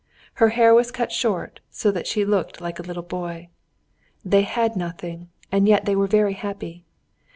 Her hair was cut short, so that she looked like a little boy. They had nothing, and yet they were very happy!